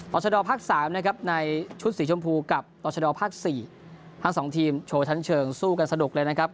ชดภาค๓นะครับในชุดสีชมพูกับต่อชะดอภาค๔ทั้ง๒ทีมโชว์ชั้นเชิงสู้กันสนุกเลยนะครับ